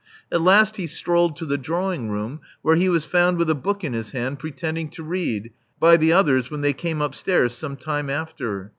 At last he strolled to the drawing room, where he was found with a book in his hand, pretending to read, by the others when they came upstairs some time after.